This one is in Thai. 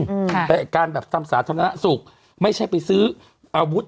อืมใช่การสร้างภาษาสุขไม่ใช่ไปซื้ออาวุธ